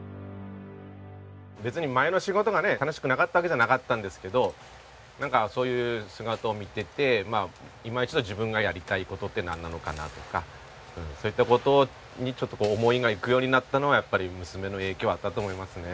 別に前の仕事がね楽しくなかったわけじゃなかったんですけどなんかそういう姿を見てていま一度自分がやりたい事ってなんなのかなとかそういった事にちょっと思いがいくようになったのはやっぱり娘の影響あったと思いますね。